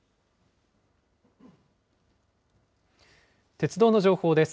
鉄道の情報です。